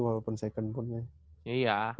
walaupun second pun ya